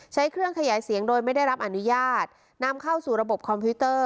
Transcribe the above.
ใช้เครื่องขยายเสียงโดยไม่ได้รับอนุญาตนำเข้าสู่ระบบคอมพิวเตอร์